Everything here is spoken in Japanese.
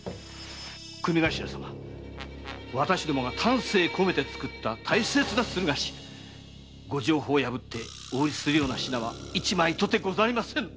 組頭様私どもが丹精こめてつくった大切な駿河紙ご定法を破ってお売りするような品は一枚とてございません！